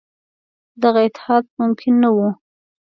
دغه اتحاد ممکن نه وو.